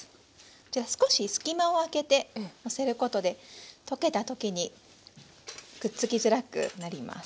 じゃあ少し隙間を空けてのせることで溶けた時にくっつきづらくなります。